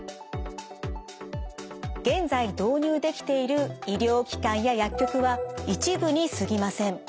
現在導入できている医療機関や薬局は一部にすぎません。